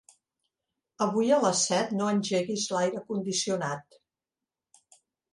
Avui a les set no engeguis l'aire condicionat.